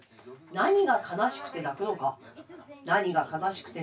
「何が悲しくて泣くのか」。